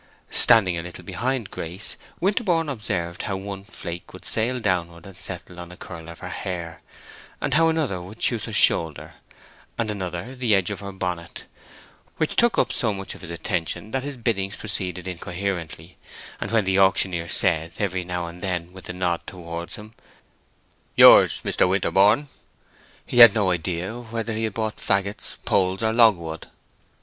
Standing a little behind Grace, Winterborne observed how one flake would sail downward and settle on a curl of her hair, and how another would choose her shoulder, and another the edge of her bonnet, which took up so much of his attention that his biddings proceeded incoherently; and when the auctioneer said, every now and then, with a nod towards him, "Yours, Mr. Winterborne," he had no idea whether he had bought fagots, poles, or logwood.